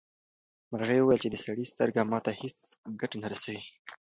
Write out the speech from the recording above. مرغۍ وویل چې د سړي سترګه ماته هیڅ ګټه نه رسوي.